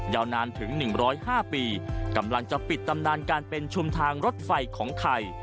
ยาวนานถึง๑๐๕ปีกำลังจะปิดตำนานการเป็นชุมทางรถไฟของไทย